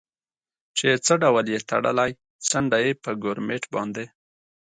چې څه ډول یې تړلی، څنډه یې په ګورمېټ باندې.